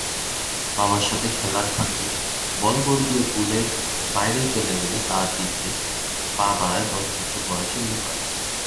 বাবার সাথে খেলার ফাঁকে বল গড়িয়ে পুলের বাইরে চলে গেলে তা নিতে পা বাড়ায় দশ বছর বয়সী লুকাস।